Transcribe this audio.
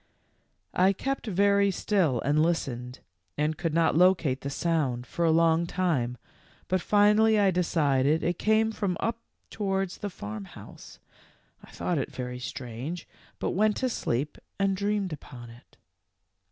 "I kept very still and listened, and could not locate the sound for a long time, but finally I decided it came from up towards the farm house. I thought it very strange, but went to sleep and dreamed upon it.